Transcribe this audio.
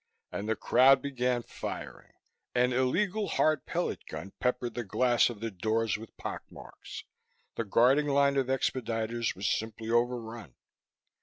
And the crowd began firing. An illegal hard pellet gun peppered the glass of the doors with pock marks. The guarding line of expediters was simply overrun.